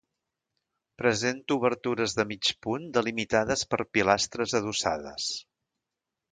Presenta obertures de mig punt delimitades per pilastres adossades.